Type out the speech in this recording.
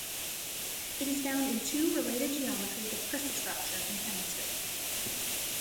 It is found in two related geometries of crystal structure in chemistry.